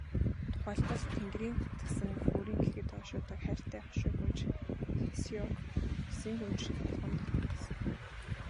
Тухайлбал, Тэнгэрийн тэтгэсэн өөрийн ихэд ойшоодог хайртай хошой гүнж Хэсяог улсын гүнж болгон дотнолсон.